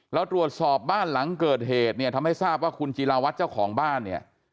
เราตรวจสอบบ้านหลังเกิดเหตุเนี่ยทำให้ทราบว่าคุณจิลาวัตรเจ้าของบ้านเนี่ย